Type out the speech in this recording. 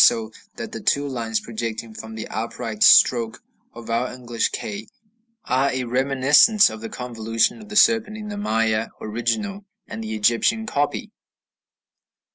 So that the two lines projecting from the upright stroke of our English K are a reminiscence of the convolution of the serpent in the Maya original and the Egyptian copy.